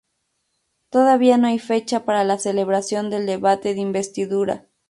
Todavía no hay fecha para la celebración del debate de investidura.